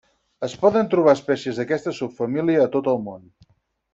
Es poden trobar espècies d'aquesta subfamília a tot el món.